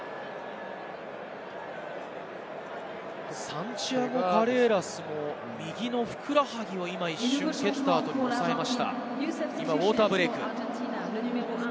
サンティアゴ・カレーラスも右のふくらはぎを一瞬蹴った後におさえました。